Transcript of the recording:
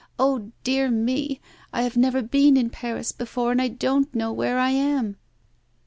Oh, dear me; I have never been in Paris before, and I don't know where I am....